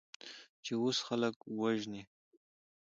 چې اوس خلک وژنې؟